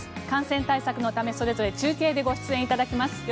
感染対策のためそれぞれ中継でご出演いただきます。